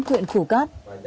huyện phủ cát